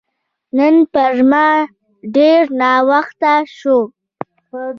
نن پر ما ډېر ناوخته شو